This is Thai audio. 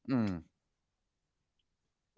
อืม